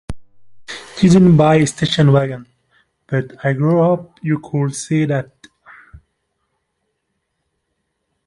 Didn't buy a station wagon, but I grew up, you could say that.